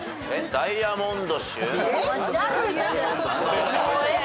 ダイヤモンドシュ？